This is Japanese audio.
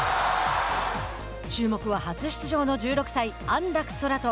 注目は初出場の１６歳、安楽宙斗。